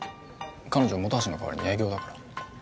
彼女本橋の代わりに営業だから。